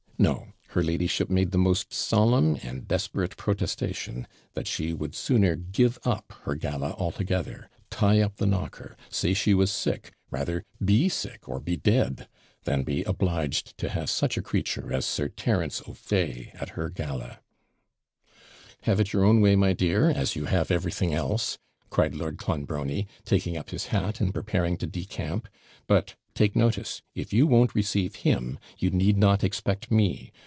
No; her ladyship made the most solemn and desperate protestation, that she would sooner give up her gala altogether tie up the knocker say she was sick rather be sick, or be dead, than be obliged to have such a creature as Sir Terence O'Fay at her gala. 'Have it your own way, my dear, as you have everything else!' cried Lord Clonbrony, taking up his hat, and preparing to decamp; 'but, take notice, if you won't receive him you need not expect me.